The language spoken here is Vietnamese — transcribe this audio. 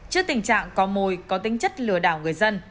trước tình trạng có mồi có tính chất lừa đảo người dân